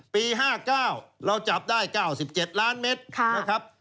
ปี๕๙เราจับได้๙๗ล้านเมตรนะครับ